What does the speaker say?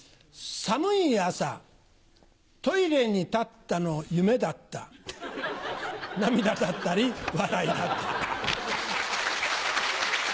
寒い朝トイレにたったの夢だった涙だったり笑いだったり。